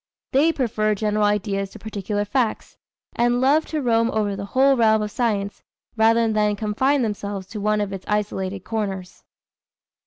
They prefer general ideas to particular facts, and love to roam over the whole realm of science rather than confine themselves to one of its isolated corners.